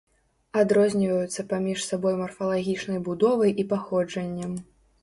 Адрозніваюцца паміж сабой марфалагічнай будовай і паходжаннем.